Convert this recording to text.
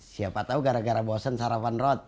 siapa tau gara gara bosen sarapan roti